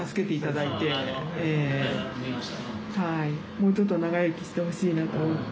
もうちょっと長生きしてほしいなと思って。